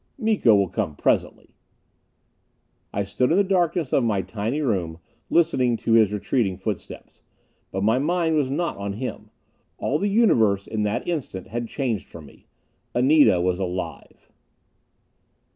"Miko will come presently." I stood in the darkness of my tiny room, listening to his retreating footsteps. But my mind was not on him.... All the Universe in that instant had changed for me. Anita was alive!